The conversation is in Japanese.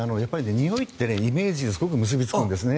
においってイメージにすごく結びつくんですね。